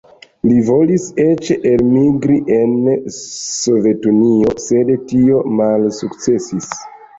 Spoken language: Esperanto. Li volis eĉ elmigri en Sovetunion, sed tio malsukcesis.